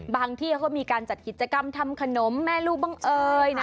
ที่เขามีการจัดกิจกรรมทำขนมแม่ลูกบ้างเอ่ยนะ